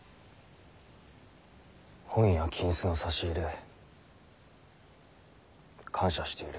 本や金子の差し入れ感謝している。